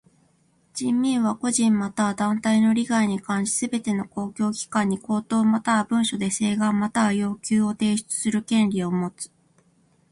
人民は個人または団体の利害に関しすべての公共機関に口頭または文書で請願または要求を提出する権利をもつ。